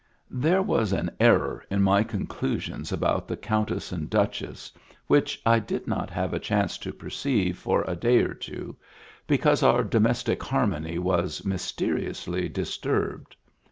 There was an error in my conclusions about the Countess and Duchess which I did not have a chance to perceive for a day or two, because our domestic harmony was mysteriously disturbed.